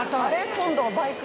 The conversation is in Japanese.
今度バイク？